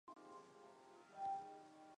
毛枝藓为隐蒴藓科毛枝藓属下的一个种。